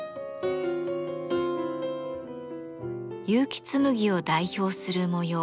結城紬を代表する模様